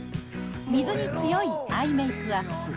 水に強いアイメイクアップ。